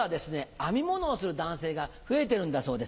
編み物をする男性が増えてるんだそうです。